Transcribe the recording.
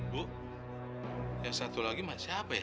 bu yang satu lagi siapa ya